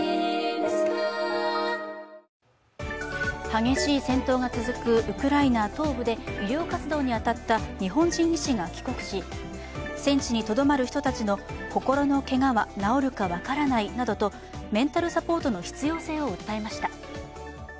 激しい戦闘が続くウクライナ東部で医療活動に当たった日本人医師が帰国し戦地にとどまる人たちの心のけがは治るか分からないなどとメンタルサポートの必要性を訴えました。